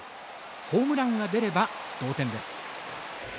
ホームランが出れば同点です。